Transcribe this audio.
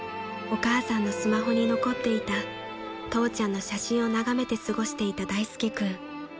［お母さんのスマホに残っていた父ちゃんの写真を眺めて過ごしていた大介君］